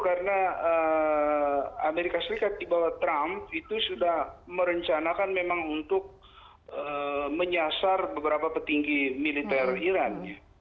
karena amerika serikat di bawah trump itu sudah merencanakan memang untuk menyasar beberapa petinggi militer iran